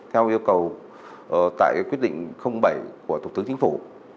theo yêu cầu tại quyết định bảy của tổng thống chính phủ